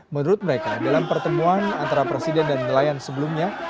menurut mereka dalam pertemuan antara presiden dan nelayan sebelumnya